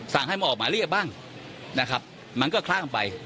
ศาลให้มันออกหมายเรียบบ้างมันก็คล้างไป